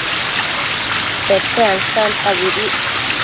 Pete ansanta bëdic